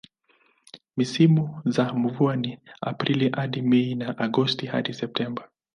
Misimu za mvua ni Aprili hadi Mei na Agosti hadi Septemba.